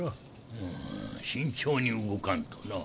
うむ慎重に動かんとな。